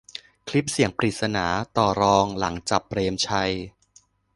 คลิปเสียงปริศนา ต่อรองหลังจับ "เปรมชัย"